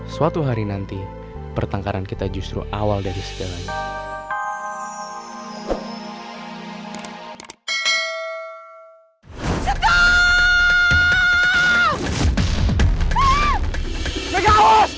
suatu hari nanti pertengkaran kita justru awal dari segalanya